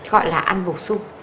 gọi là ăn bổ sung